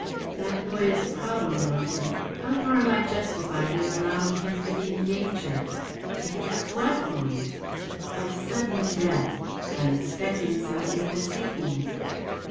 That boy is a problem, Watson. How far am I justified in allowing him to be in danger ? ‚ÄĚ ‚ÄĚ Danger of what, Holmes ? ‚ÄĚ ‚ÄĚ Of sudden death. I’m expecting some¬ thing this evening.